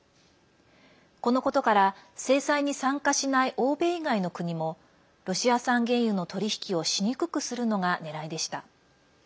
このことから、制裁に参加しない欧米以外の国もロシア産原油の取り引きをしにくくするのがねらいでした。